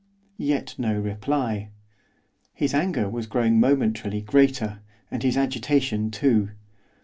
Yet no reply. His anger was growing momentarily greater, and his agitation too.